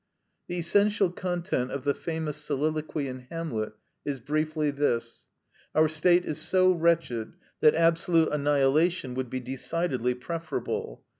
The essential content of the famous soliloquy in "Hamlet" is briefly this: Our state is so wretched that absolute annihilation would be decidedly preferable.